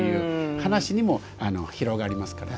話にも広がりますからね。